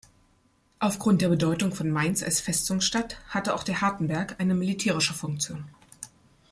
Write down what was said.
Aufgrund der Bedeutung von Mainz als Festungsstadt hatte auch der „Hartenberg“ eine militärische Funktion.